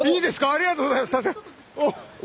ありがとうございます。